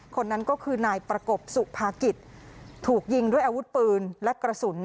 คนนั้นก็คือนายประกบสุภากิจถูกยิงด้วยอาวุธปืนและกระสุน